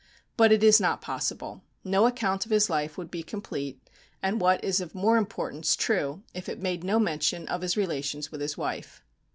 But it is not possible. No account of his life would be complete, and what is of more importance, true, if it made no mention of his relations with his wife.